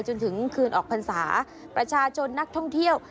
จนถึงคืนออกพรรษาประชาชนนักท่องเที่ยว